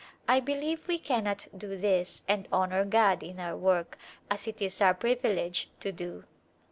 I believe we cannot do this and honor God in our work as it is our privilege to do.